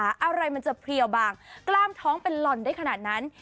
อะไรมันจะเพลียวบางกล้ามท้องเป็นหล่อนได้ขนาดนั้น